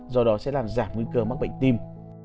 do đó sẽ làm giảm nguy cơ mắc bệnh tim